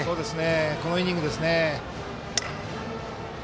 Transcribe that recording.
このイニングですね。